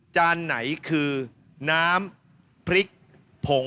จานไหนคือน้ำพริกผง